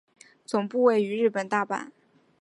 总部位于日本大阪。